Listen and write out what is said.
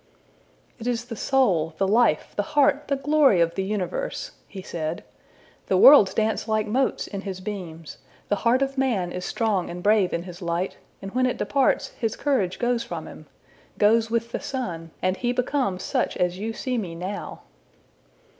``It is the soul, the life, the heart, the glory of the universe,'' he said. ``The worlds dance like motes in his beams. The heart of man is strong and brave in his light, and when it departs his courage gows from him goes with the sun, and he becomes such as you see me now.''